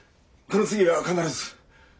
この次は必ず。